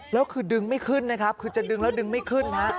แล้วคือดึงไม่ขึ้นนะครับคือจะดึงแล้วดึงไม่ขึ้นฮะ